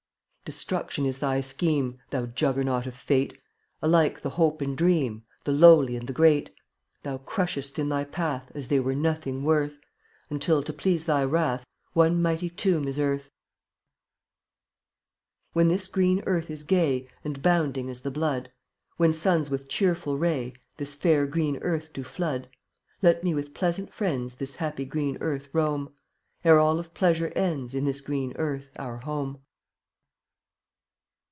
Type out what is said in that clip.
Destruction is thy scheme Thou Juggernaut of Fate; Alike the hope and dream, The lowly and the great, Thou crushest in thy path As they were nothing worth, Until, to please thy wrath, One mighty tomb is earth. 30 When this green earth is gay And bounding is the blood; When suns with cheerful ray This fair green earth do flood, Let me with pleasant friends This happy green earth roam, Ere all of pleasure ends In this green earth, our home.